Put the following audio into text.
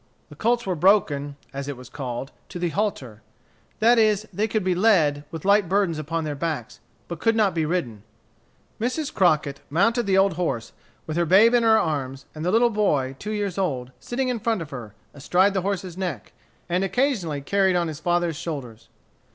The colts were broken, as it was called, to the halter; that is, they could be led, with light burdens upon their backs, but could not be ridden. Mrs. Crockett mounted the old horse, with her babe in her arms, and the little boy, two years old, sitting in front of her, astride the horse's neck, and occasionally carried on his father's shoulders.